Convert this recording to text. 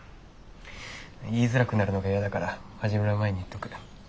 言いづらくなるのがイヤだから始まる前に言っとく。